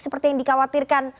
seperti yang dikhawatirkan